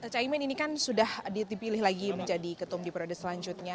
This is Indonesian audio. caimin ini kan sudah dipilih lagi menjadi ketum di periode selanjutnya